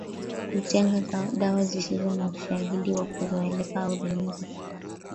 hutenga dawa zisizo na ushahidi wa kuzoeleka au dalili za kuacha